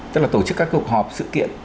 tổ chức các cuộc họp sự kiện